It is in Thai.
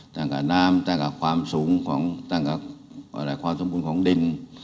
ตั้งแต่น้ำตั้งกับความสูงของตั้งกับความสมบูรณ์ของดิน